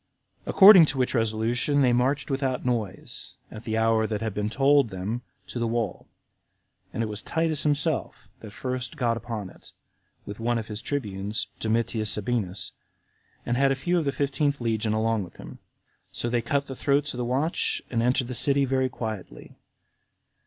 34. According to which resolution they marched without noise, at the hour that had been told them, to the wall; and it was Titus himself that first got upon it, with one of his tribunes, Domitius Sabinus, and had a few of the fifteenth legion along with him. So they cut the throats of the watch, and entered the city very quietly.